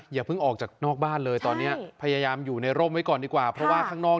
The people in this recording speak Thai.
อย่าเพิ่งออกจากนอกบ้านเลยตอนนี้พยายามอยู่ในร่มไว้ก่อนดีกว่าเพราะว่าข้างนอก